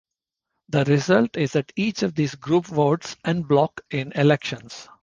The result is that each of these groups votes en bloc in elections.